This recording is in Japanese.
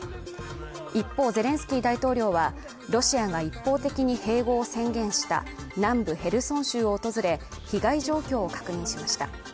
一方ゼレンスキー大統領はロシアが一方的に併合を宣言した南部ヘルソン州を訪れ、被害状況を確認しました。